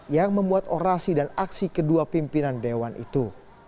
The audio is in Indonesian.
yang membuat orasi dan aksi kedua pimpinan dewan itu